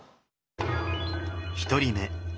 １人目。